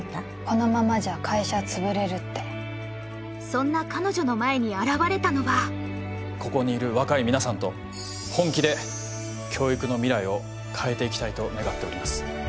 このままじゃ会社は潰れるってそんな彼女の前に現れたのはここにいる若い皆さんと本気で教育の未来を変えていきたいと願っております